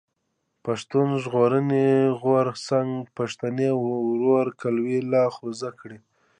پښتون ژغورني غورځنګ پښتني ورورګلوي لا خوږه کړه.